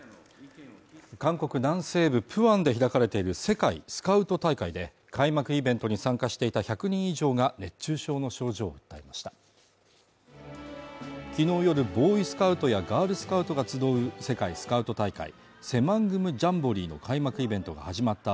韓国南西部プアンで開かれている世界スカウト大会で開幕イベントに参加していた１００人以上が熱中症の症状を訴えました昨日よりボーイスカウトやガールスカウトが集う世界スカウト大会セマングム・ジャンボリーの開幕イベントが始まった